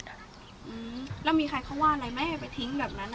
อืมแล้วมีใครเขาว่าอะไรไหมไปทิ้งแบบนั้นอ่ะ